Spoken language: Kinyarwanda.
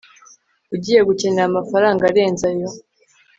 ugiye gukenera amafaranga arenze ayo